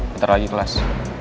bentar lagi kelas